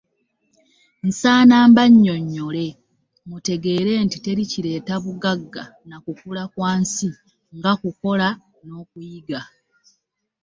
Nsaana mbannyonnyole, mutegeere nti teri kireeta bugagga na kukula kwa nsi nga kukola n'okuyiga.